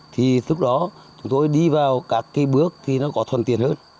thì lúc đó chúng tôi đi vào các bước thì nó có thuần tiền hơn